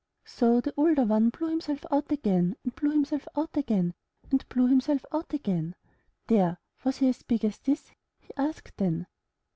So the older one blew himself out again, and blew himself out again, and blew himself out again. 'There! Was he as big as this?'' he asked then.